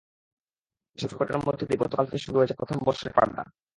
এসব সংকটের মধ্য দিয়ে গতকাল থেকে শুরু হয়েছে প্রথম বর্ষের পাঠদান।